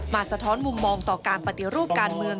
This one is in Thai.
สะท้อนมุมมองต่อการปฏิรูปการเมือง